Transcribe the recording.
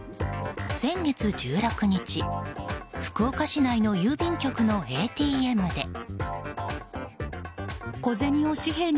先月１６日福岡市内の郵便局のＡＴＭで。